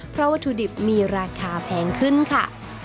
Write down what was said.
เพราะวัตถุดิบมีราคาแพงขึ้นค่ะ